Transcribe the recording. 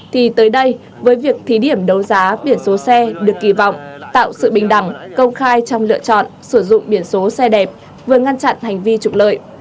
thì tới đây với việc thí điểm đấu giá biển số xe được kỳ vọng tạo sự bình đẳng công khai trong lựa chọn sử dụng biển số xe đẹp vừa ngăn chặn hành vi trục lợi